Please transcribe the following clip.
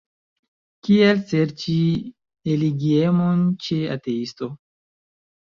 Kial serĉi religiemon ĉe ateisto?